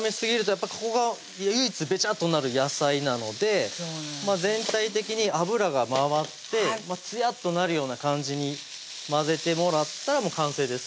やっぱりここが唯一べちゃっとなる野菜なので全体的に油が回ってつやっとなるような感じに混ぜてもらったら完成です